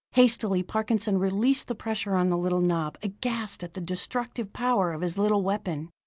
Hastily Parkinson released the pressure on the little knob, aghast at the destructive power of his little weapon.